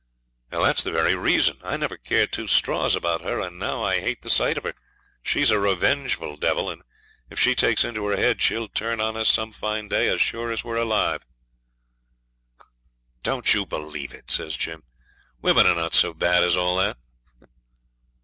'That's the very reason. I never cared two straws about her, and now I hate the sight of her. She's a revengeful devil, and if she takes it into her head she'll turn on us some fine day as sure as we're alive.' 'Don't you believe it,' says Jim; 'women are not so bad as all that.'